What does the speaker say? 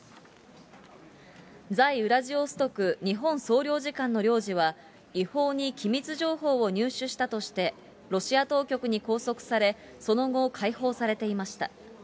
在ウラジオストク日本総領事館の領事は、違法に機密情報を入手したとして、ロシア当局に拘束され、その後、解放されていました。